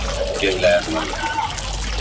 په داسي پوچو الفاظو ..